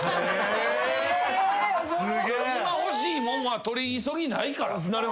今欲しい物は取り急ぎないから。